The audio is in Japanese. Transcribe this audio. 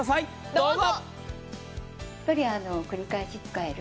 どうぞ！